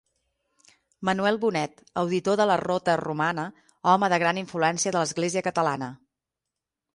Manuel Bonet, auditor de la Rota Romana, home de gran influència a l'església catalana.